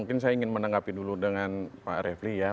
mungkin saya ingin menanggapi dulu dengan pak refli ya